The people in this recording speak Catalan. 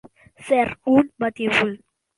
Ser un batibull.